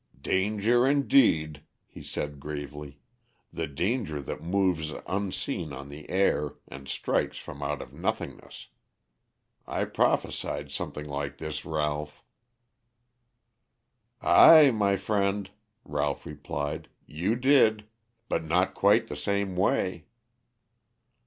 "Danger, indeed," he said gravely, "the danger that moves unseen on the air, and strikes from out of nothingness. I prophesied something like this, Ralph." "Ay, my friend," Ralph replied, "you did. But not quite the same way."